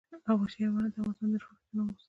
وحشي حیوانات د افغانستان د جغرافیوي تنوع مثال دی.